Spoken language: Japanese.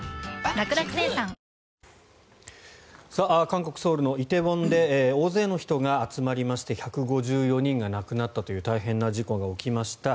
韓国ソウルの梨泰院で大勢の人が集まりまして１５４人が亡くなったという大変な事故が起きました。